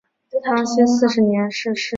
康熙四十年逝世。